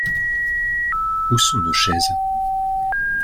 Où sont nos chaises ?